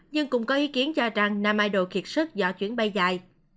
nhưng cũng có ý kiến cho rằng nam ido kiệt sức do chuyến bay dài